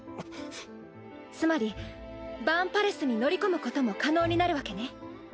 つまりバーンパレスに乗り込むことも可能になるわけね。